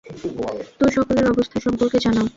তো সকলের অবস্থা সম্পর্কে জানাও।